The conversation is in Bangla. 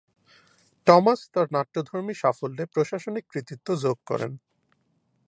টমাস তার নাট্যধর্মী সাফল্যে প্রশাসনিক কৃতিত্ব যোগ করেন।